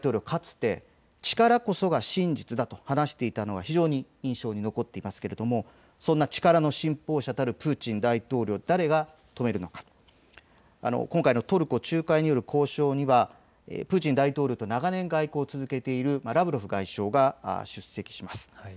かつて力こそが真実だと話していたのが非常に印象に残っていますけれども、そんな力の信奉者であるプーチン大統領を誰が止めるのか、今回のトルコ仲介による交渉にはプーチン大統領と長年、外交を続けているラブロフ外相が出席します。